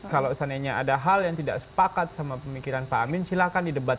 kalau seandainya ada hal yang tidak sepakat sama pemikiran pak amin silahkan didebat